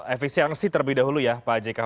efisiensi terlebih dahulu ya pak jk